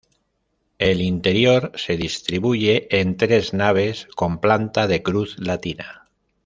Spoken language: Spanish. El interior se distribuye en tres naves con planta de cruz latina.